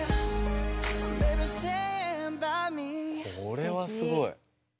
これはすごい！